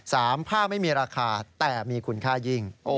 ผ้าไม่มีราคาแต่มีคุณค่ายิ่ง